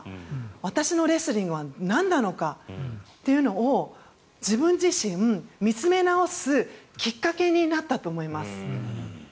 私のレスリングはなんなのかというのを自分自身、見つめ直すきっかけになったと思います。